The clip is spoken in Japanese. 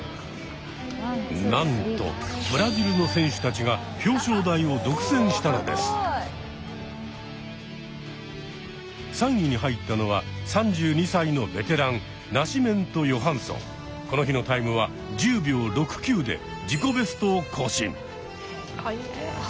なんとブラジルの選手たちが３位に入ったのは３２歳のベテランこの日のタイムは１０秒６９で自己ベストを更新。